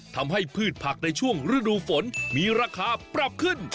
ทำให้พืชผักในช่วงระดูฝนมีราคาปรับขึ้น